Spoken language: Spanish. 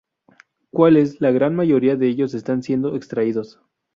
Cuales la gran mayoría de ellos están siendo extraídos.